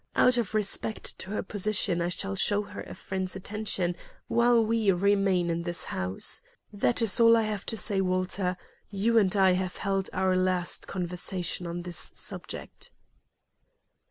Out of respect to her position I shall show her a friend's attention while we remain in this house. That is all I have to say, Walter. You and I have held our last conversation on this subject."